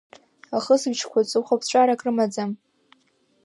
Ахысбыжьқәа ҵыхәаԥҵәарак рымаӡам.